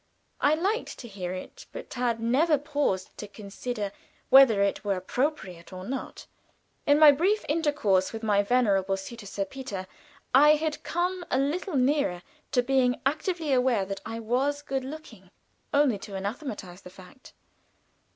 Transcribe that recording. I liked to hear it, but had never paused to consider whether it were appropriate or not. In my brief intercourse with my venerable suitor, Sir Peter, I had come a little nearer to being actively aware that I was good looking, only to anathematize the fact.